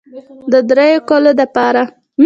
د دريو کالو دپاره